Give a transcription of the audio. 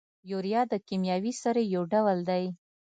یوریا د کیمیاوي سرې یو ډول دی.